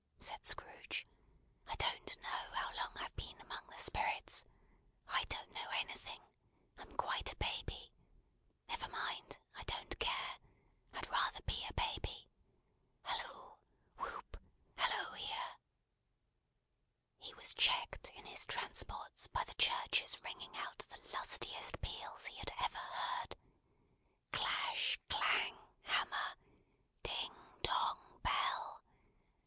said Scrooge. "I don't know how long I've been among the Spirits. I don't know anything. I'm quite a baby. Never mind. I don't care. I'd rather be a baby. Hallo! Whoop! Hallo here!" He was checked in his transports by the churches ringing out the lustiest peals he had ever heard. Clash, clang, hammer; ding, dong, bell.